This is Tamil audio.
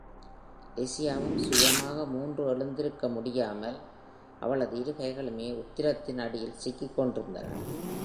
லிசியாவும் சுயமாக முன்று எழுத்திருக்க முடியாமல் அவளது இரு கைகளுமே உத்திரத்தின் அடியில் சிக்கிக் கொண்டிருந்தன.